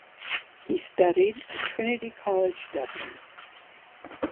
He studied at Trinity College Dublin.